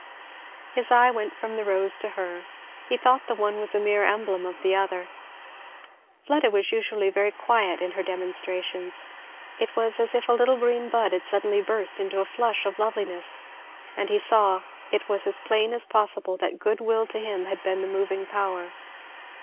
His eye went from the rose to her; he thought the one was a mere emblem of the other. Fleda was usually very quiet in her demonstrations; it was as if a little green bud had suddenly burst into a flush of loveliness; and he saw, it was as plain as possible, that good will to him had been the moving power.